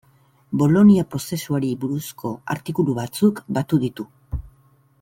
Bolonia prozesuari buruzko artikulu batzuk batu ditu.